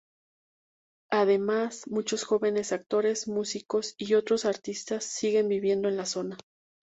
Además, muchos jóvenes actores, músicos, y otros artistas siguen viviendo en la zona.